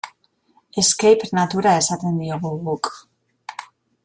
Escape-natura esaten diogu guk.